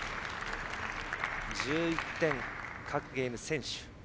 １１点各ゲーム先取。